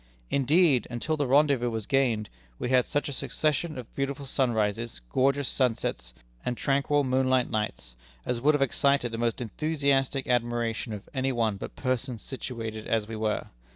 Indeed, until the rendezvous was gained, we had such a succession of beautiful sunrises, gorgeous sunsets, and tranquil moonlight nights, as would have excited the most enthusiastic admiration of any one but persons situated as we were.